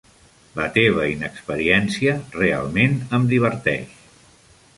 La teva inexperiència realment em diverteix!